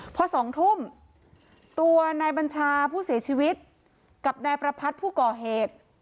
พอ๒ทุ่มตัวนายบัญชาผู้เสียชีวิตกับนายประพัทธ์ผู้ก่อเหตุ